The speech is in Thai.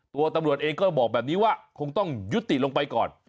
ตำรวจเองก็บอกแบบนี้ว่าคงต้องยุติลงไปก่อน